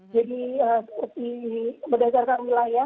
jadi seperti berdasarkan wilayah